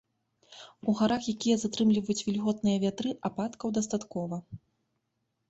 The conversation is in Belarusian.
У гарах, якія затрымліваюць вільготныя вятры, ападкаў дастаткова.